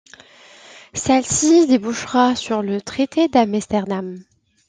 Celle-ci débouchera sur le traité d'Amsterdam.